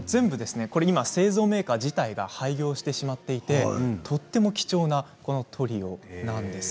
製造メーカー自体が全部廃業してしまってとっても貴重なトリオなんです。